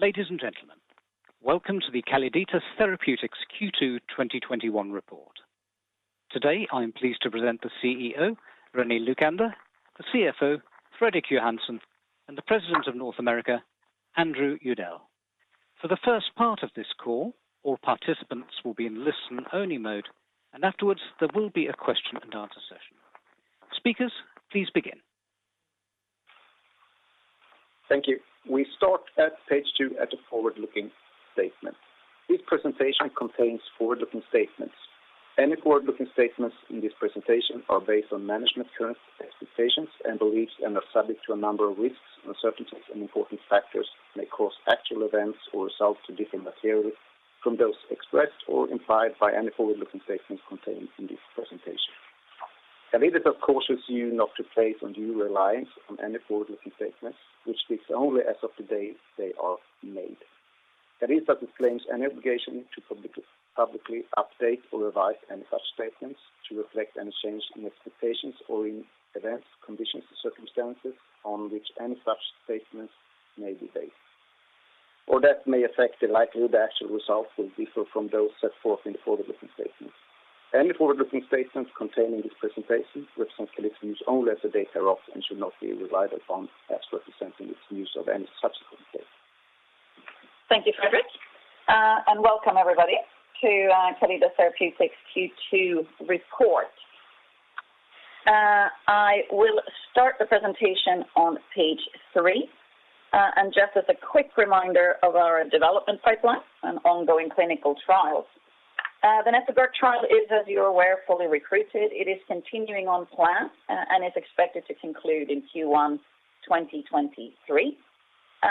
Ladies and gentlemen, welcome to the Calliditas Therapeutics Q2 2021 report. Today, I'm pleased to present the CEO, Renée Aguiar-Lucander, the CFO, Fredrik Johansson, and the President of North America, Andrew Udell. For the first part of this call, all participants will be in listen-only mode. Afterwards, there will be a question and answer session. Speakers, please begin. Thank you. We start at page 2 at the forward-looking statement. This presentation contains forward-looking statements. Any forward-looking statements in this presentation are based on management's current expectations and beliefs and are subject to a number of risks, uncertainties, and important factors that may cause actual events or results to differ materially from those expressed or implied by any forward-looking statements contained in this presentation. Calliditas cautions you not to place undue reliance on any forward-looking statements, which speak only as of the date they are made. Calliditas disclaims any obligation to publicly update or revise any such statements to reflect any change in expectations or in events, conditions, or circumstances on which any such statements may be based or that may affect the likelihood the actual results will differ from those set forth in the forward-looking statements. Any forward-looking statements contained in this presentation represent Calliditas' views only as of the date thereof and should not be relied upon as representing its views on any subsequent date. Thank you, Fredrik. Welcome everybody to Calliditas Therapeutics Q2 report. I will start the presentation on page 3. Just as a quick reminder of our development pipeline and ongoing clinical trials. The NefIgArd trial is, as you're aware, fully recruited. It is continuing on plan and is expected to conclude in Q1 2023.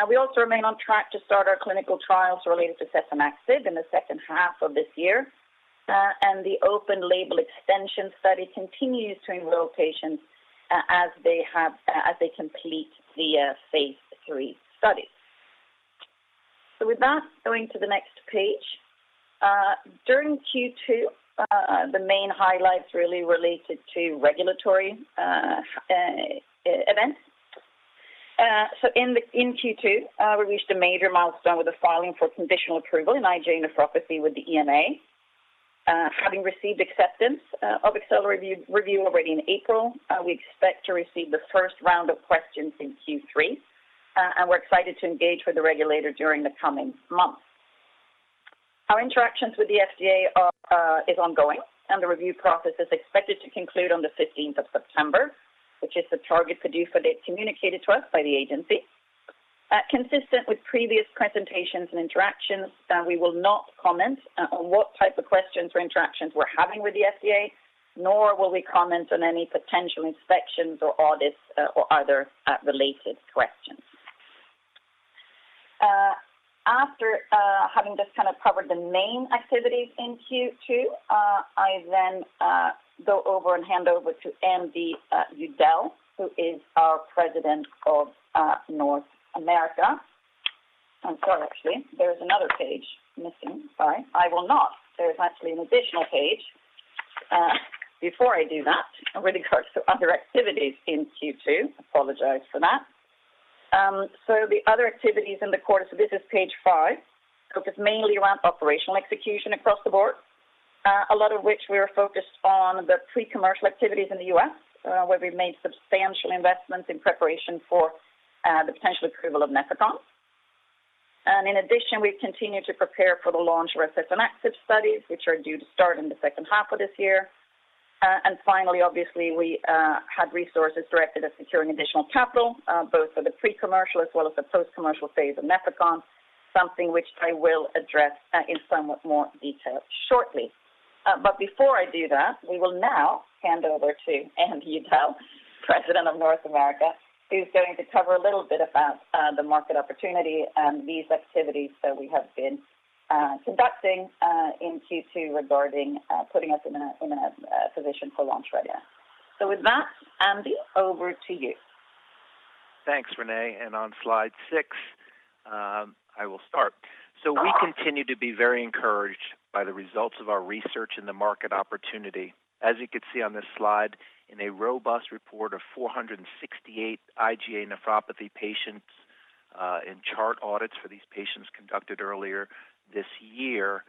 We also remain on track to start our clinical trials related to setanaxib in the second half of this year. The open label extension study continues to enroll patients as they complete the phase III study. With that, going to the next page. During Q2, the main highlights really related to regulatory events. In Q2, we reached a major milestone with the filing for conditional approval in IgA nephropathy with the EMA. Having received acceptance of accelerated review already in April, we expect to receive the first round of questions in Q3. We're excited to engage with the regulator during the coming months. Our interactions with the FDA is ongoing, and the review process is expected to conclude on the 15th of September, which is the target PDUFA date communicated to us by the agency. Consistent with previous presentations and interactions, we will not comment on what type of questions or interactions we're having with the FDA, nor will we comment on any potential inspections or audits or other related questions. After having just covered the main activities in Q2, I then go over and hand over to Andrew Udell, who is our President of North America. I'm sorry, actually, there is another page missing. Sorry. There is actually an additional page. Before I do that, I already got to other activities in Q2. Apologize for that. The other activities in the quarter. This is page five. Focuses mainly around operational execution across the board. A lot of which we are focused on the pre-commercial activities in the U.S., where we've made substantial investments in preparation for the potential approval of Nefecon. In addition, we've continued to prepare for the launch of our setanaxib studies, which are due to start in the second half of this year. Finally, obviously, we had resources directed at securing additional capital, both for the pre-commercial as well as the post-commercial phase of Nefecon, something which I will address in somewhat more detail shortly. Before I do that, we will now hand over to Andrew Udell, President of North America, who's going to cover a little bit about the market opportunity and these activities that we have been conducting in Q2 regarding putting us in a position for launch-ready. With that, Andrew, over to you. Thanks, Renée. On slide 6, I will start. We continue to be very encouraged by the results of our research in the market opportunity. As you can see on this slide, in a robust report of 468 IgA nephropathy patients in chart audits for these patients conducted earlier this year,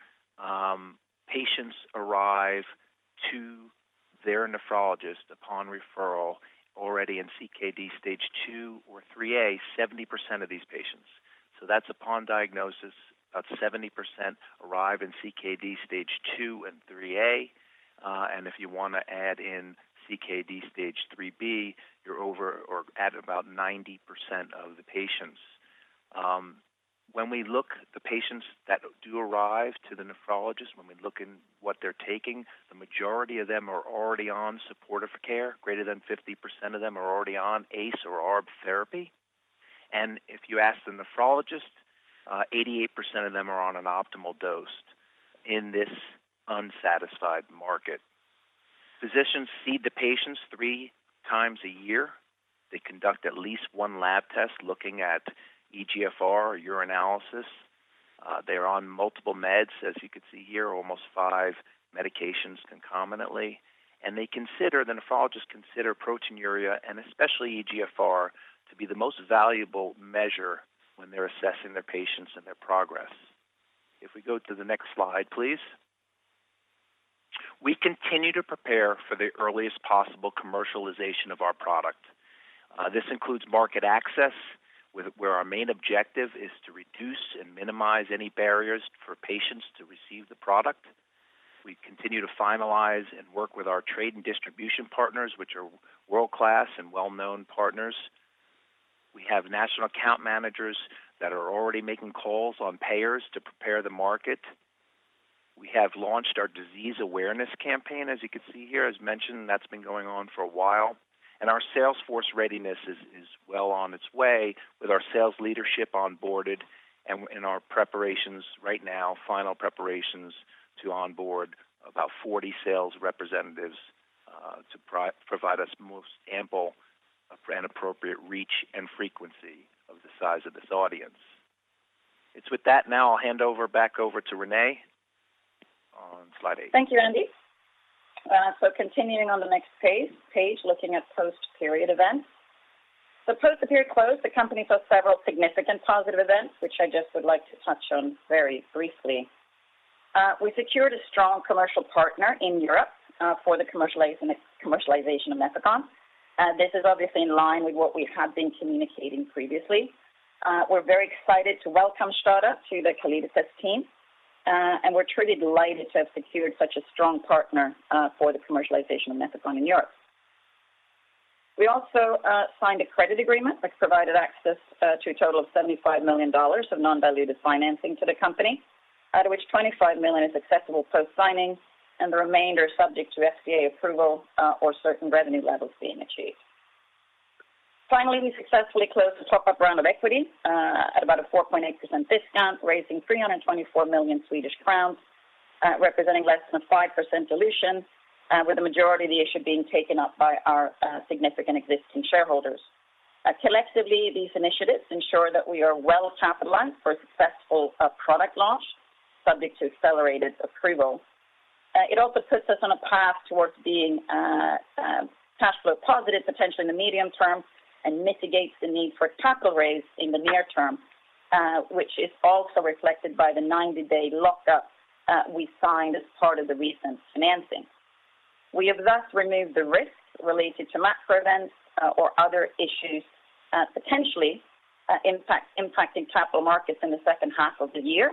patients arrive to their nephrologist upon referral already in CKD stage II or IIIa, 70% of these patients. That's upon diagnosis. About 70% arrive in CKD stage II and IIIa. If you want to add in CKD stage IIIb, you're over or at about 90% of the patients. When we look at the patients that do arrive to the nephrologist, when we look in what they're taking, the majority of them are already on supportive care. Greater than 50% of them are already on ACE or ARB therapy. If you ask the nephrologist, 88% of them are on an optimal dose in this unsatisfied market. Physicians see the patients 3 times a year. They conduct at least 1 lab test looking at eGFR or urinalysis. They are on multiple meds, as you can see here, almost 5 medications concomitantly. The nephrologists consider proteinuria, and especially eGFR, to be the most valuable measure when they're assessing their patients and their progress. If we go to the next slide, please. We continue to prepare for the earliest possible commercialization of our product. This includes market access, where our main objective is to reduce and minimize any barriers for patients to receive the product. We continue to finalize and work with our trade and distribution partners, which are world-class and well-known partners. We have national account managers that are already making calls on payers to prepare the market. We have launched our disease awareness campaign, as you can see here. As mentioned, that's been going on for a while. Our sales force readiness is well on its way with our sales leadership onboarded and our preparations right now, final preparations to onboard about 40 sales representatives to provide us the most ample and appropriate reach and frequency of the size of this audience. It's with that now I'll hand over back over to Renée on slide 8. Thank you, Andrew. Continuing on the next page, looking at post-period events. Post the period close, the company saw several significant positive events, which I just would like to touch on very briefly. We secured a strong commercial partner in Europe for the commercialization of Nefecon. This is obviously in line with what we have been communicating previously. We're very excited to welcome STADA to the Calliditas team. We're truly delighted to have secured such a strong partner for the commercialization of Nefecon in Europe. We also signed a credit agreement which provided access to a total of $75 million of non-dilutive financing to the company, out of which $25 million is accessible post-signing and the remainder subject to FDA approval or certain revenue levels being achieved. Finally, we successfully closed the top-up round of equity at about a 4.8% discount, raising 324 million Swedish crowns, representing less than 5% dilution, with the majority of the issue being taken up by our significant existing shareholders. Collectively, these initiatives ensure that we are well-capitalized for a successful product launch subject to accelerated approval. It also puts us on a path towards being cash flow positive potentially in the medium term and mitigates the need for a capital raise in the near term, which is also reflected by the 90-day lockup we signed as part of the recent financing. We have thus removed the risks related to macro events or other issues potentially impacting capital markets in the second half of the year.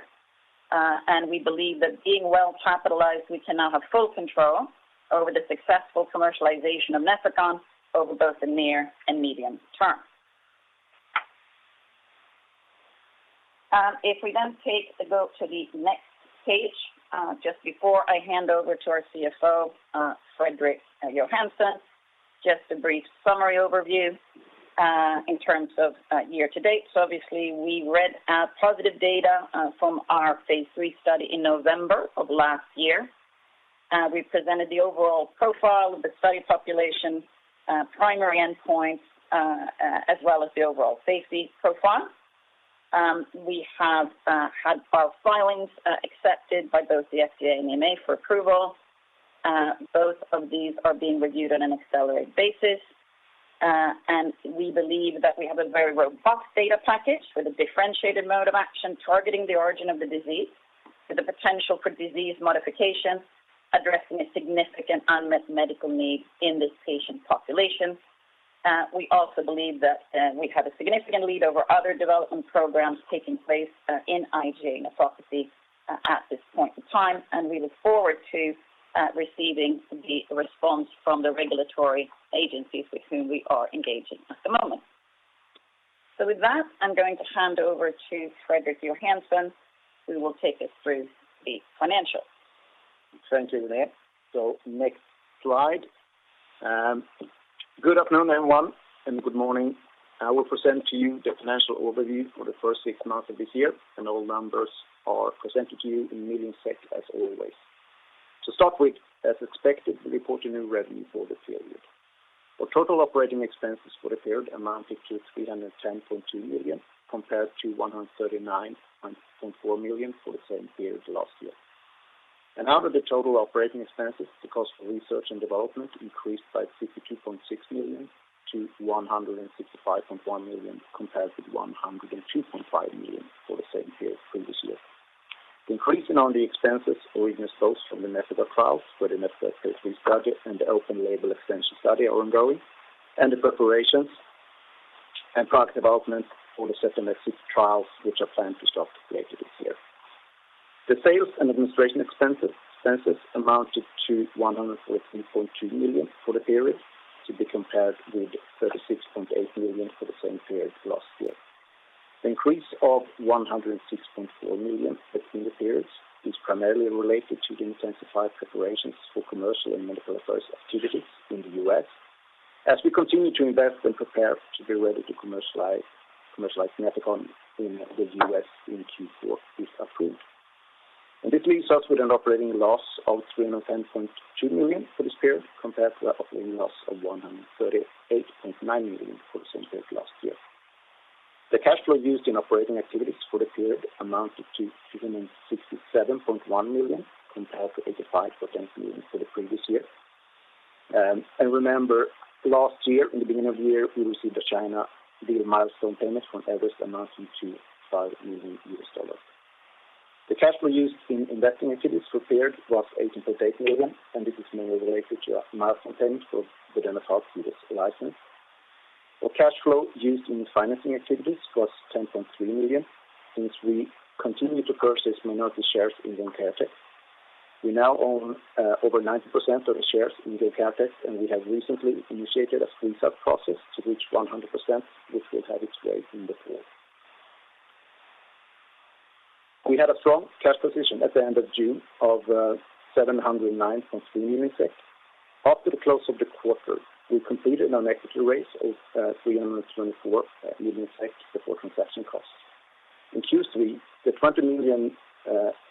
We believe that being well capitalized, we can now have full control over the successful commercialization of Nefecon over both the near and medium term. If we take a go to the next page, just before I hand over to our CFO, Fredrik Johansson, just a brief summary overview, in terms of year to date. Obviously we read out positive data from our phase III study in November of last year. We presented the overall profile of the study population, primary endpoints, as well as the overall safety profile. We have had our filings accepted by both the FDA and EMA for approval. Both of these are being reviewed on an accelerated basis. We believe that we have a very robust data package with a differentiated mode of action targeting the origin of the disease with the potential for disease modification, addressing a significant unmet medical need in this patient population. We also believe that we have a significant lead over other development programs taking place in IgA nephropathy at this point in time, and we look forward to receiving the response from the regulatory agencies with whom we are engaging at the moment. With that, I'm going to hand over to Fredrik Johansson, who will take us through the financials. Thank you, Renée. Next slide. Good afternoon, everyone, and good morning. I will present to you the financial overview for the first 6 months of this year. All numbers are presented to you in millions SEK, as always. To start with, as expected, we reported a revenue for the period. Our total operating expenses for the period amounted to 310.2 million, compared to 139.4 million for the same period last year. Out of the total operating expenses, the cost for research and development increased by 62.6 million to 165.1 million, compared with 102.5 million for the same period previous year. The increase in all the expenses were even exposed from the NefIgArd trials, where the NefIgArd phase III study and the open label extension study are ongoing, and the preparations and product development for the setanaxib trials, which are planned to start later this year. The sales and administration expenses amounted to 114.2 million for the period, to be compared with 36.8 million for the same period last year. The increase of 106.4 million between the periods is primarily related to the intensified preparations for commercial and medical affairs activities in the U.S. as we continue to invest and prepare to be ready to commercialize Nefecon in the U.S. in Q4 if approved. This leaves us with an operating loss of 310.2 million for this period, compared to our operating loss of 138.9 million for the same period last year. The cash flow used in operating activities for the period amounted to 267.1 million, compared to 85.4 million for the previous year. Remember, last year, in the beginning of the year, we received the China deal milestone payment from Everest amounting to $5 million. The cash flow used in investing activities for the period was 18.8 million. This is mainly related to our milestone payment for the setanaxib license. Our cash flow used in financing activities was 10.3 million, since we continue to purchase minority shares in Genkyotex. We now own over 90% of the shares in Genkyotex. We have recently initiated a squeeze-out process to reach 100%, which will have its way in the fall. We had a strong cash position at the end of June of 709.3 million SEK. After the close of the quarter, we completed an equity raise of 324 million SEK before transaction costs. In Q3, the 20 million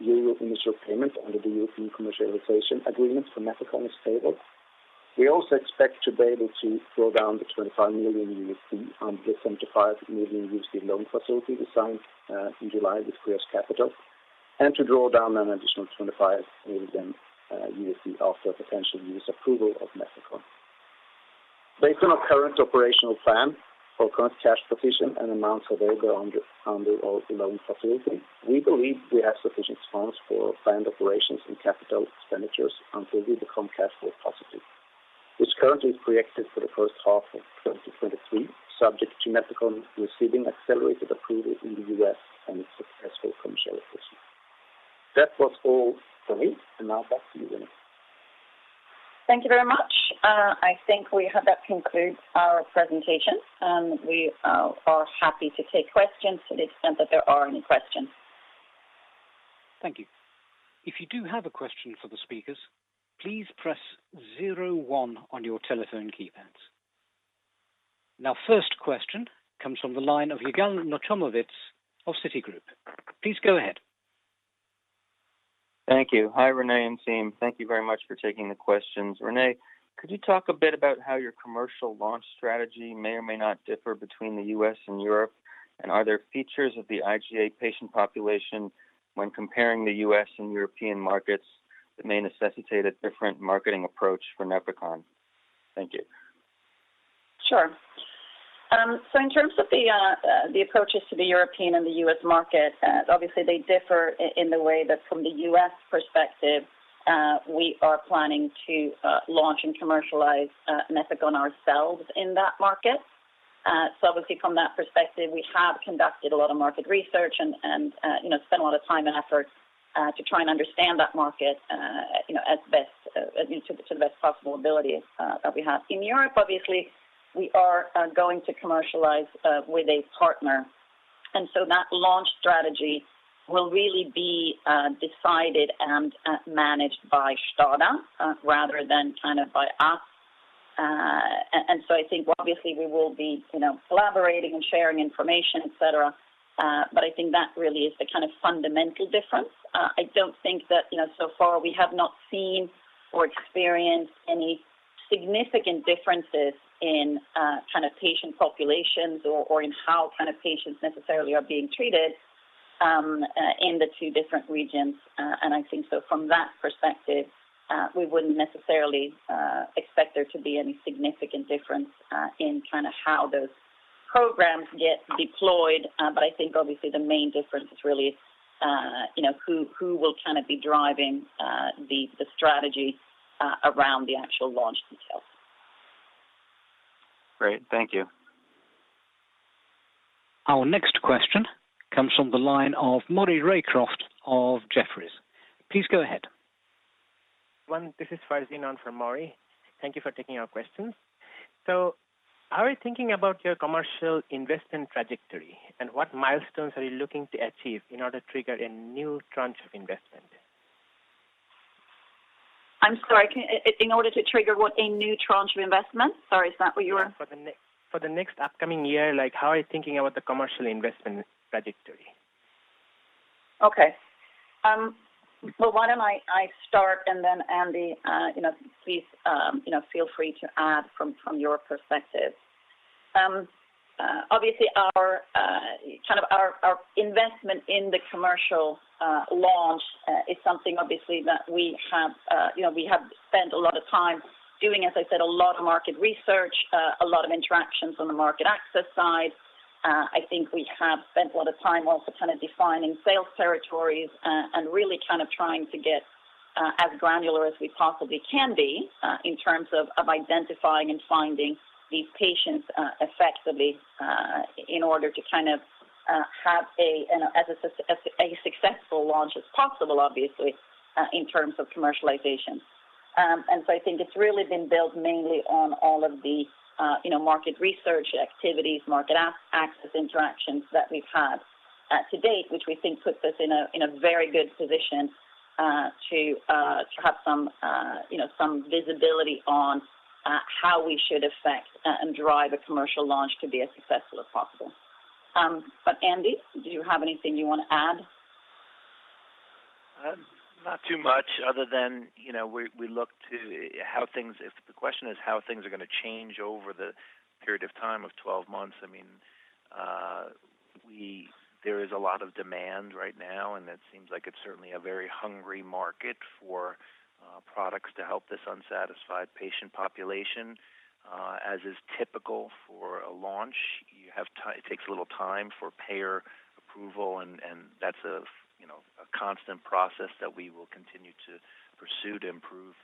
euro initial payment under the European commercialization agreement for Nefecon was payable. We also expect to be able to draw down the $25 million under the $75 million loan facility we signed in July with Kreos Capital, and to draw down an additional $25 million after potential U.S. approval of Nefecon. Based on our current operational plan for current cash position and amounts available under our loan facility, we believe we have sufficient funds for planned operations and capital expenditures until we become cash flow positive. This currently is projected for the first half of 2023, subject to Nefecon receiving accelerated approval in the U.S. and its successful commercialization. That was all from me. Now back to you, Renée. Thank you very much. I think that concludes our presentation. We are happy to take questions to the extent that there are any questions. Thank you. If you do have a question for the speakers, please press 01 on your telephone keypads. Now, first question comes from the line of Yigal Nochomovitz of Citigroup. Please go ahead. Thank you. Hi, Renée and team. Thank you very much for taking the questions. Renée, could you talk a bit about how your commercial launch strategy may or may not differ between the U.S. and Europe? Are there features of the IgA patient population when comparing the U.S. and European markets that may necessitate a different marketing approach for Nefecon? Thank you. Sure. In terms of the approaches to the European and the U.S. market, obviously they differ in the way that from the U.S. perspective, we are planning to launch and commercialize Nefecon ourselves in that market. Obviously from that perspective, we have conducted a lot of market research and spent a lot of time and effort to try and understand that market to the best possible ability that we have. In Europe, obviously, we are going to commercialize with a partner, and so that launch strategy will really be decided and managed by STADA rather than by us. I think obviously we will be collaborating and sharing information, et cetera, but I think that really is the fundamental difference. I don't think that so far we have not seen or experienced any significant differences in patient populations or in how patients necessarily are being treated in the 2 different regions. I think so from that perspective, we wouldn't necessarily expect there to be any significant difference in how those programs get deployed. I think obviously the main difference is really who will be driving the strategy around the actual launch details. Great. Thank you. Our next question comes from the line of Maury Raycroft of Jefferies. Please go ahead. This is Farzin on for Maury Raycroft. Thank you for taking our questions. How are you thinking about your commercial investment trajectory, and what milestones are you looking to achieve in order to trigger a new tranche of investment? I'm sorry. In order to trigger what? A new tranche of investment? Sorry, is that what you were- Yeah. For the next upcoming year, how are you thinking about the commercial investment trajectory? Okay. Well, why don't I start and then Andy, please feel free to add from your perspective. Obviously, our investment in the commercial launch is something obviously that we have spent a lot of time doing, even as I said, a lot of market research, a lot of interactions on the market access side. I think we have spent a lot of time also defining sales territories and really trying to get as granular as we possibly can be in terms of identifying and finding these patients effectively in order to have as successful launch as possible, obviously, in terms of commercialization. I think it's really been built mainly on all of the market research activities, market access interactions that we've had to date, which we think puts us in a very good position to have some visibility on how we should affect and drive a commercial launch to be as successful as possible. Andy, do you have anything you want to add? Not too much other than if the question is how things are going to change over the period of time of 12 months, there is a lot of demand right now, and it seems like it's certainly a very hungry market for products to help this unsatisfied patient population. As is typical for a launch, it takes a little time for payer approval and that's a constant process that we will continue to pursue to improve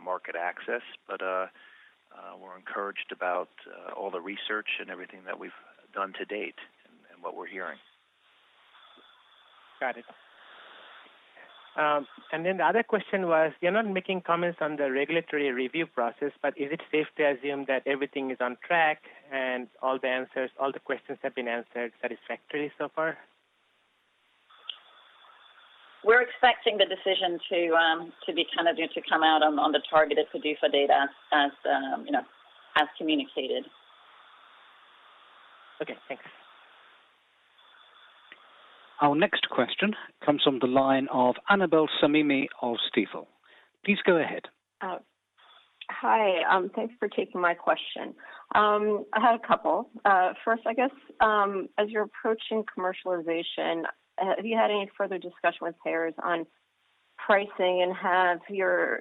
market access. We're encouraged about all the research and everything that we've done to date and what we're hearing. Got it. The other question was, you're not making comments on the regulatory review process, but is it safe to assume that everything is on track and all the questions have been answered satisfactorily so far? We're expecting the decision to come out on the targeted PDUFA date as communicated. Okay, thanks. Our next question comes from the line of Annabel Samimy of Stifel. Please go ahead. Hi. Thanks for taking my question. I had a couple. First, I guess, as you're approaching commercialization, have you had any further discussion with payers on pricing and have your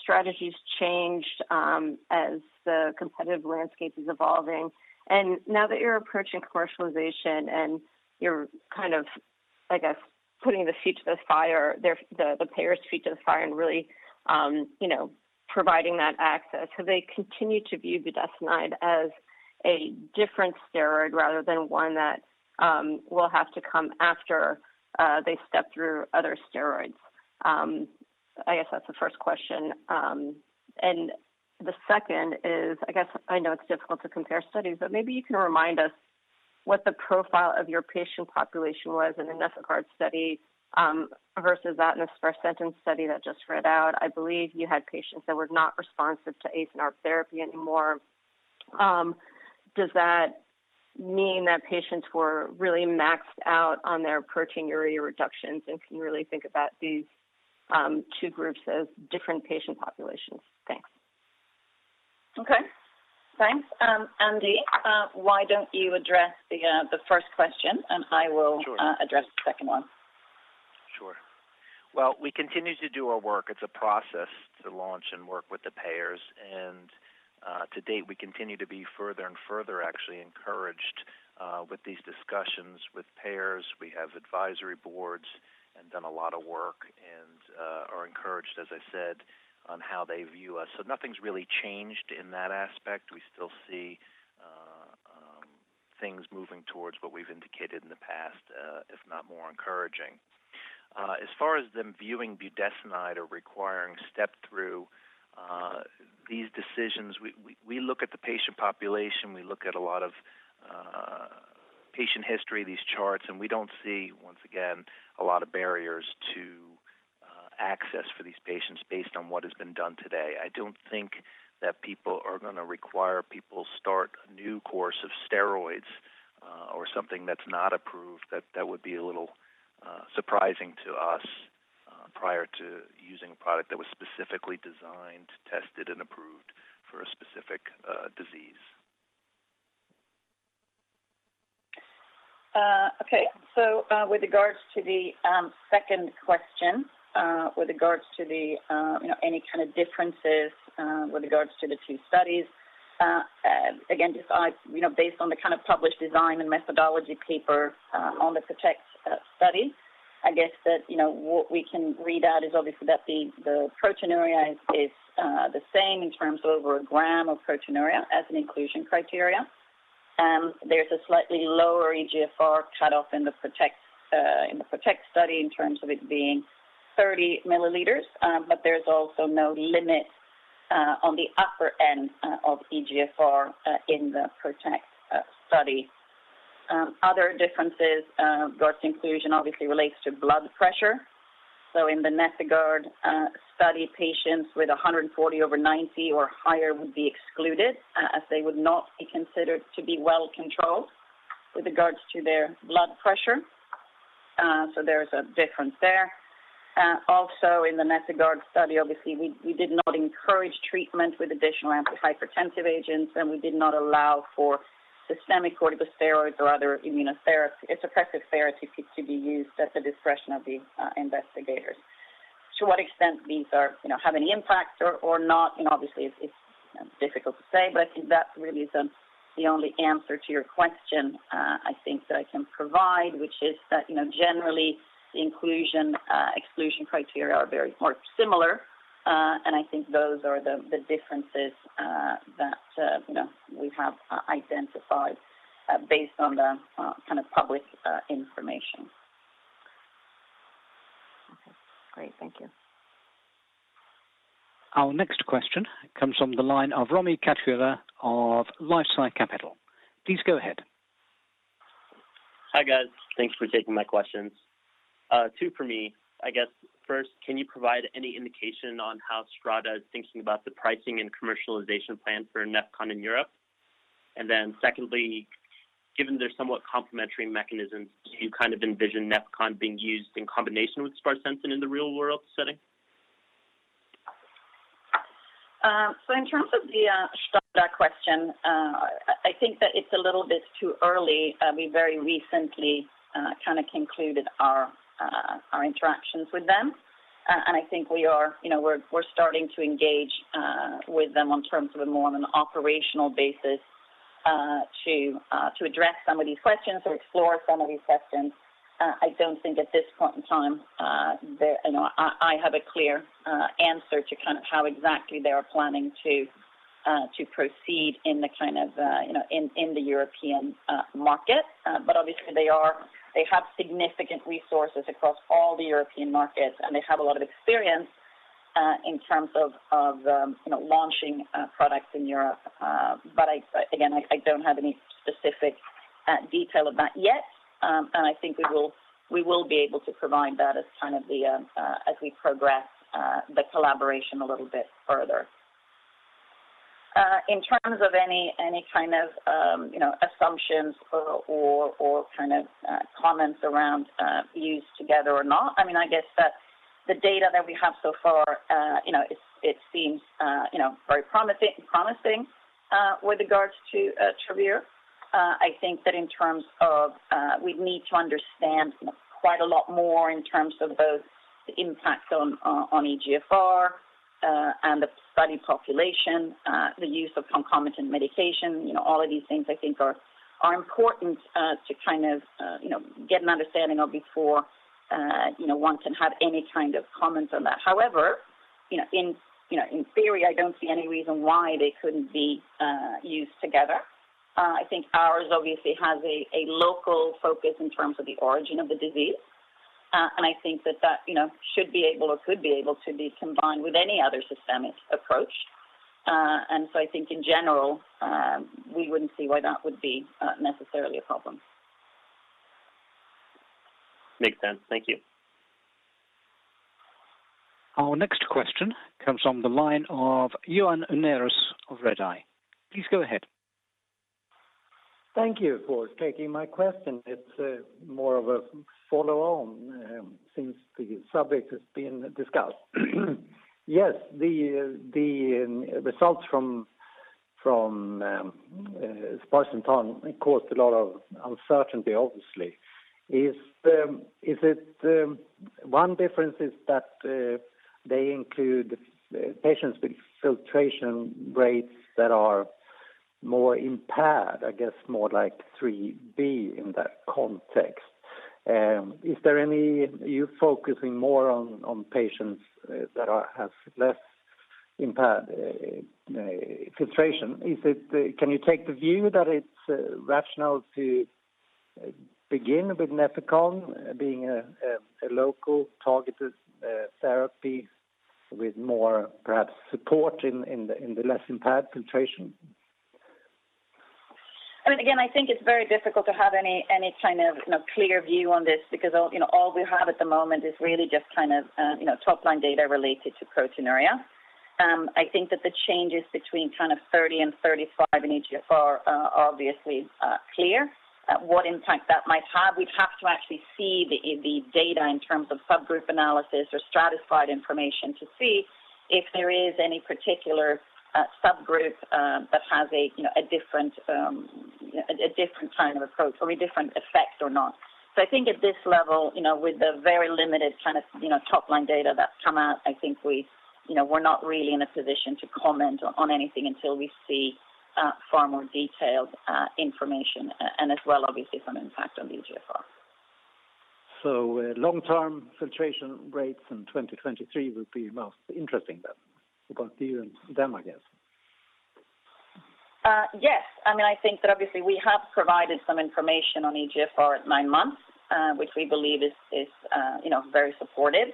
strategies changed as the competitive landscape is evolving? Now that you're approaching commercialization and you're, I guess, putting the payer's feet to the fire and really providing that access, have they continued to view budesonide as a different steroid rather than one that will have to come after they step through other steroids? I guess that's the first question. The second is, I guess I know it's difficult to compare studies, but maybe you can remind us what the profile of your patient population was in the NefIgArd study versus that in sparsentan's study that just read out. I believe you had patients that were not responsive to ACE and ARB therapy anymore. Does that mean that patients were really maxed out on their proteinuria reductions and can you really think about these two groups as different patient populations? Thanks. Okay. Thanks. Andy, why don't you address the first question. Sure. address the second one. Sure. Well, we continue to do our work. It's a process to launch and work with the payers, and to date, we continue to be further and further actually encouraged with these discussions with payers. We have advisory boards and done a lot of work, and are encouraged, as I said, on how they view us. Nothing's really changed in that aspect. We still see things moving towards what we've indicated in the past, if not more encouraging. As far as them viewing budesonide or requiring step through these decisions, we look at the patient population, we look at a lot of patient history, these charts, and we don't see, once again, a lot of barriers to access for these patients based on what has been done today. I don't think that people are going to require people start a new course of steroids or something that's not approved. That would be a little surprising to us, prior to using a product that was specifically designed, tested, and approved for a specific disease. Okay. With regards to the second question, with regards to any kind of differences with regards to the two studies. Again, based on the kind of published design and methodology paper on the PROTECT study, I guess that what we can read out is obviously that the proteinuria is the same in terms of over a gram of proteinuria as an inclusion criteria. There's a slightly lower eGFR cutoff in the PROTECT study in terms of it being 30 milliliters. There's also no limit on the upper end of eGFR in the PROTECT study. Other differences regards inclusion obviously relates to blood pressure. In the NefIgArd study, patients with 140 over 90 or higher would be excluded, as they would not be considered to be well controlled with regards to their blood pressure. There's a difference there. In the NefIgArd study, obviously, we did not encourage treatment with additional antihypertensive agents, and we did not allow for systemic corticosteroids or other immunosuppressive therapy to be used at the discretion of the investigators. To what extent these have any impact or not, obviously, it's difficult to say, but I think that really is the only answer to your question I think that I can provide, which is that generally the inclusion/exclusion criteria are very similar. I think those are the differences that we have identified based on the kind of public information. Okay. Great. Thank you. Our next question comes from the line of Romi Katkhuda of LifeSci Capital. Please go ahead. Hi, guys. Thanks for taking my questions. Two for me. I guess first, can you provide any indication on how STADA is thinking about the pricing and commercialization plan for Nefecon in Europe? Secondly, given their somewhat complementary mechanisms, do you envision Nefecon being used in combination with sparsentan in the real-world setting? In terms of the STADA question, I think that it's a little bit too early. We very recently concluded our interactions with them. I think we're starting to engage with them on an operational basis to address some of these questions or explore some of these questions. I don't think at this point in time, I have a clear answer to how exactly they are planning to proceed in the European market. Obviously they have significant resources across all the European markets, and they have a lot of experience in terms of launching products in Europe. Again, I don't have any specific detail of that yet. I think we will be able to provide that as we progress the collaboration a little bit further. In terms of any kind of assumptions or comments around use together or not, I guess that the data that we have so far, it seems very promising with regards to Travere. I think that in terms of, we need to understand quite a lot more in terms of both the impact on eGFR, and the study population, the use of concomitant medication. All of these things I think are important to get an understanding of before one can have any kind of comments on that. However, in theory, I don't see any reason why they couldn't be used together. I think ours obviously has a local focus in terms of the origin of the disease. I think that should be able or could be able to be combined with any other systemic approach. I think in general, we wouldn't see why that would be necessarily a problem. Makes sense. Thank you. Our next question comes from the line of Johan Unnerus of Redeye. Please go ahead. Thank you for taking my question. It's more of a follow-on, since the subject has been discussed. Yes, the results from sparsentan caused a lot of uncertainty, obviously. One difference is that they include patients with filtration rates that are more impaired, I guess more like 3B in that context. Are you focusing more on patients that have less impaired filtration? Can you take the view that it's rational to begin with Nefecon being a local targeted therapy with more, perhaps, support in the less impaired filtration? Again, I think it's very difficult to have any kind of clear view on this because all we have at the moment is really just top-line data related to proteinuria. I think that the changes between 30 and 35 in eGFR are obviously clear. What impact that might have, we'd have to actually see the data in terms of subgroup analysis or stratified information to see if there is any particular subgroup that has a different kind of approach or a different effect or not. I think at this level, with the very limited top-line data that's come out, I think we're not really in a position to comment on anything until we see far more detailed information and as well, obviously, some impact on the eGFR. Long-term filtration rates in 2023 would be most interesting then for both you and them, I guess. Yes. I think that obviously we have provided some information on eGFR at nine months, which we believe is very supportive.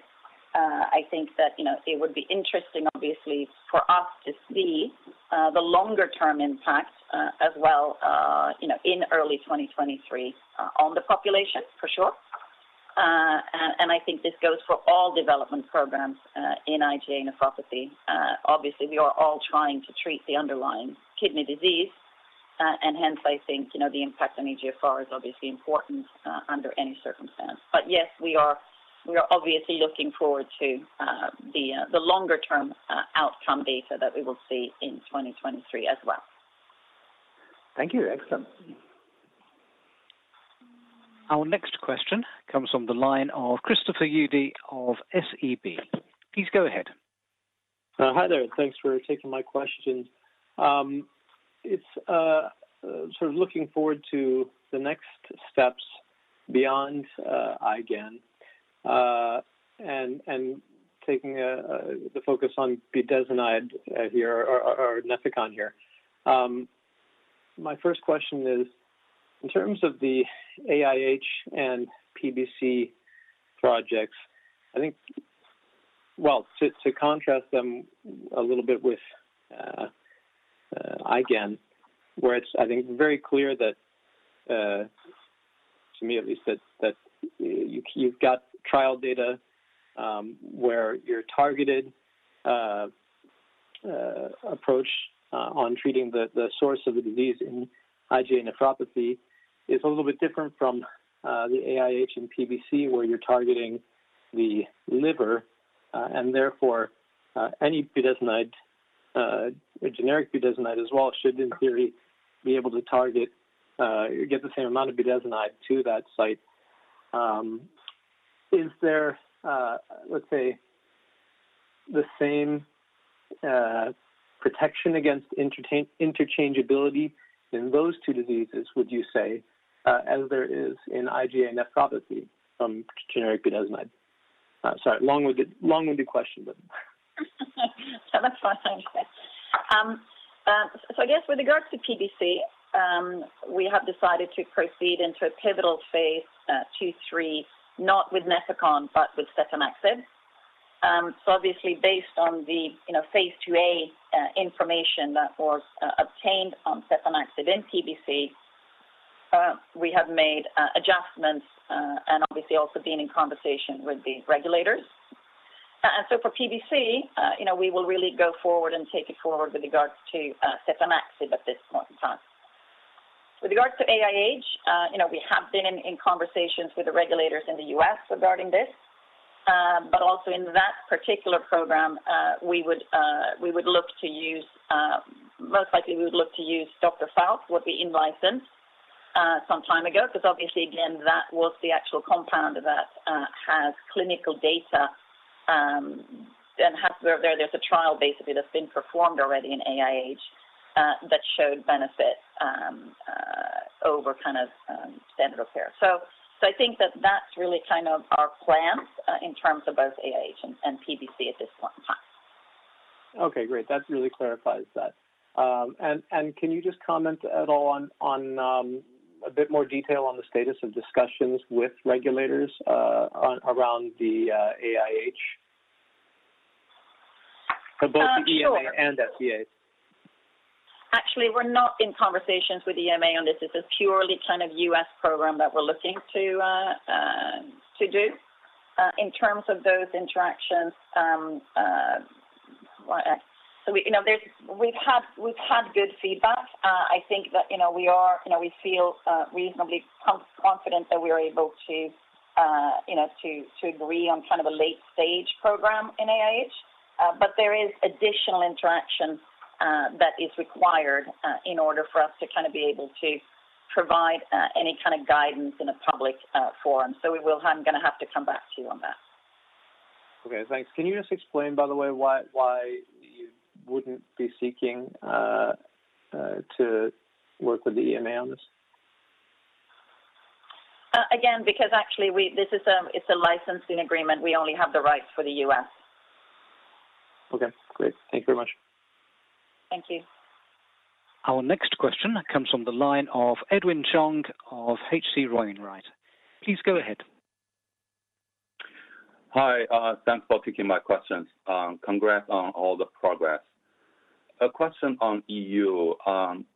I think that it would be interesting, obviously, for us to see the longer-term impact as well in early 2023 on the population for sure. I think this goes for all development programs in IgA nephropathy. Obviously, we are all trying to treat the underlying kidney disease, and hence I think, the impact on eGFR is obviously important under any circumstance. Yes, we are obviously looking forward to the longer-term outcome data that we will see in 2023 as well. Thank you. Excellent. Our next question comes from the line of Christopher Uhde of SEB. Please go ahead. Hi there. Thanks for taking my question. It's sort of looking forward to the next steps beyond IgAN, and taking the focus on budesonide here or Nefecon here. My first question is, in terms of the AIH and PBC projects, I think, well, to contrast them a little bit with IgAN, where it's, I think, very clear that, to me at least, that you've got trial data where your targeted approach on treating the source of the disease in IgA nephropathy is a little bit different from the AIH and PBC, where you're targeting the liver, and therefore, any budesonide, a generic budesonide as well should, in theory, be able to get the same amount of budesonide to that site. Is there, let's say, the same protection against interchangeability in those two diseases, would you say, as there is in IgA nephropathy from generic budesonide? Sorry, long-winded question. No, that's fine. I guess with regards to PBC, we have decided to proceed into a pivotal phase II/III, not with Nefecon, but with setanaxib. Obviously, based on the phase IIa information that was obtained on setanaxib in PBC, we have made adjustments and obviously also been in conversation with the regulators. For PBC, we will really go forward and take it forward with regards to setanaxib at this point in time. With regards to AIH, we have been in conversations with the regulators in the U.S. regarding this. Also in that particular program, most likely we would look to use Dr. Falk, which we in-licensed some time ago, because obviously, again, that was the actual compound that has clinical data, and there's a trial basically that's been performed already in AIH that showed benefit over standard of care. I think that that's really kind of our plan in terms of both AIH and PBC at this point in time. Okay, great. That really clarifies that. Can you just comment at all on a bit more detail on the status of discussions with regulators around the AIH? For both the EMA and FDA. Actually, we're not in conversations with EMA on this. This is purely kind of U.S. program that we're looking to do. In terms of those interactions, we've had good feedback. I think that we feel reasonably confident that we're able to agree on kind of a late-stage program in AIH. There is additional interaction that is required in order for us to be able to provide any kind of guidance in a public forum. I'm going to have to come back to you on that. Okay, thanks. Can you just explain, by the way, why you wouldn't be seeking to work with the EMA on this? Again, because actually it's a licensing agreement, we only have the rights for the U.S. Okay, great. Thank you very much. Thank you. Our next question comes from the line of Edwin Zhang of H.C. Wainwright. Please go ahead. Hi, thanks for taking my questions. Congrats on all the progress. A question on EU.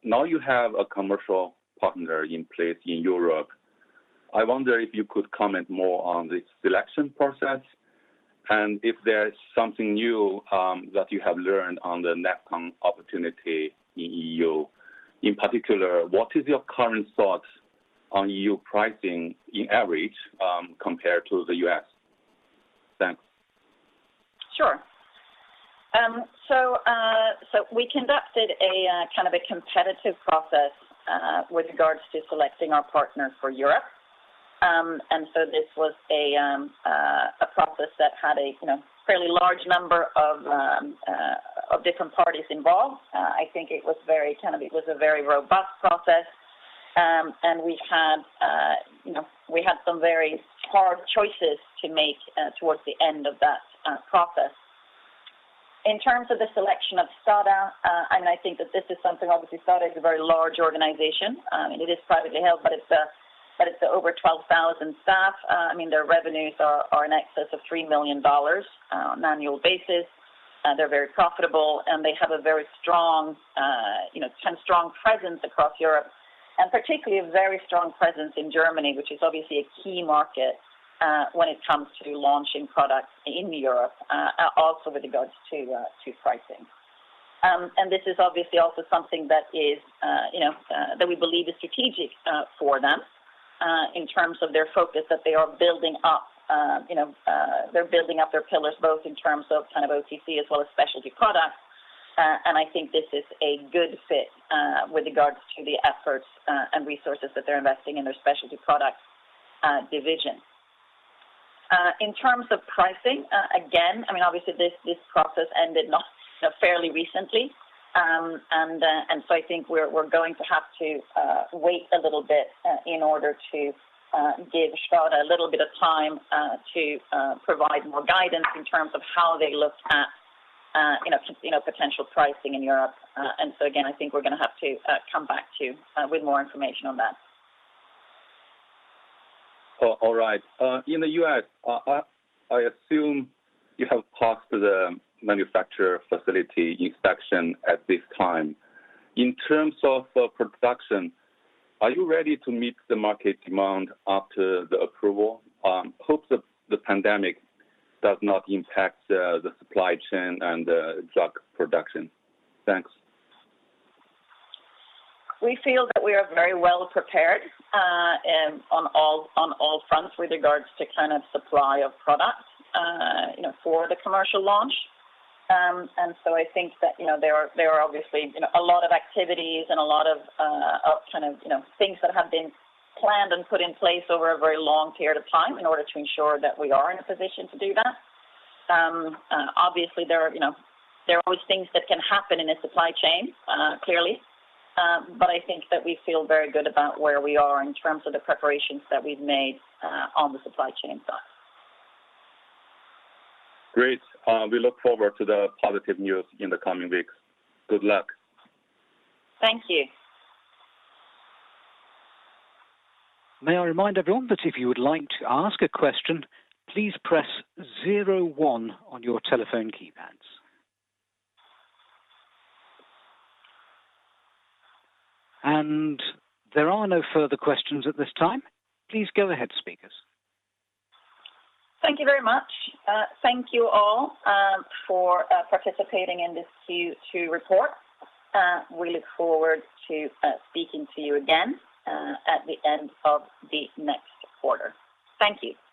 You have a commercial partner in place in Europe. I wonder if you could comment more on the selection process and if there's something new that you have learned on the Nefecon opportunity in EU. In particular, what is your current thoughts on EU pricing in average compared to the U.S.? Thanks. Sure. We conducted a kind of a competitive process with regards to selecting our partner for Europe. This was a process that had a fairly large number of different parties involved. I think it was a very robust process, and we had some very hard choices to make towards the end of that process. In terms of the selection of STADA, I think that this is something, obviously, STADA is a very large organization, and it is privately held, but it's over 12,000 staff. Their revenues are in excess of SEK 3 million on an annual basis. They're very profitable, and they have a very strong presence across Europe, and particularly a very strong presence in Germany, which is obviously a key market when it comes to launching products in Europe, also with regards to pricing. This is obviously also something that we believe is strategic for them in terms of their focus that they are building up their pillars, both in terms of kind of OTC as well as specialty products. I think this is a good fit with regards to the efforts and resources that they're investing in their specialty product division. In terms of pricing, again, obviously this process ended fairly recently. I think we're going to have to wait a little bit in order to give STADA a little bit of time to provide more guidance in terms of how they look at potential pricing in Europe. Again, I think we're going to have to come back to you with more information on that. All right. In the U.S., I assume you have passed the manufacturer facility inspection at this time. In terms of production, are you ready to meet the market demand after the approval? Hope that the pandemic does not impact the supply chain and the drug production. Thanks. We feel that we are very well prepared on all fronts with regards to supply of product for the commercial launch. I think that there are obviously a lot of activities and a lot of things that have been planned and put in place over a very long period of time in order to ensure that we are in a position to do that. Obviously, there are always things that can happen in a supply chain, clearly. I think that we feel very good about where we are in terms of the preparations that we've made on the supply chain side. Great. We look forward to the positive news in the coming weeks. Good luck. Thank you. May I remind everyone that if you would like to ask a question, please press 01 on your telephone keypads. There are no further questions at this time. Please go ahead, speakers. Thank you very much. Thank you all for participating in this Q2 report. We look forward to speaking to you again at the end of the next quarter. Thank you.